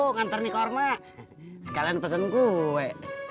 sekarang ini karma sekalian pesen gue